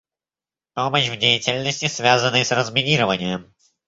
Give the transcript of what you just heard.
Помощь в деятельности, связанной с разминированием.